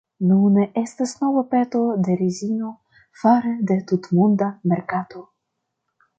Nune estas nova peto de rezino fare de tutmonda merkato.